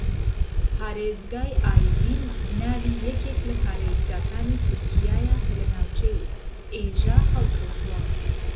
پارێزگای ئایدین ناوی یەکێک لە پارێزگاکانی تورکیایە کە لە ناوچەی ئێژە ھەڵکەوتووە